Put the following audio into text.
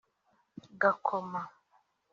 Gakoma